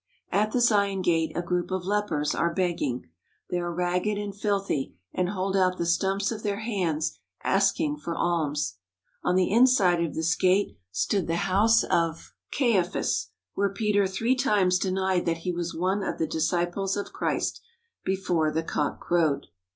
At the Zion Gate a group of lepers are begging. They are ragged and filthy and hold out the stumps of their hands asking for alms. On the inside of this gate stood the house of Caiaphas, where Peter three times denied that he was one of the disciples of Christ, before the cock crowed.